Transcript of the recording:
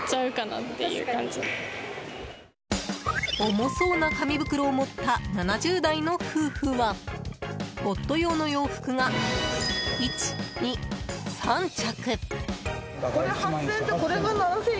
重そうな紙袋を持った７０代の夫婦は夫用の洋服が１、２、３着。